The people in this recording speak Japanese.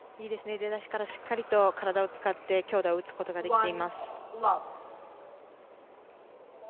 出だしからしっかり体を使って強打を打つことができています。